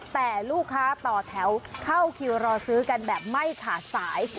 แต่ลูกค้าต่อแถวเข้าคิวรอซื้อกันแบบไม่ขาดสาย